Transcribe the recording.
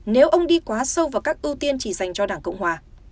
nếu ông đi quá sâu vào các ưu tiên chỉ dành cho đảng cộng hòa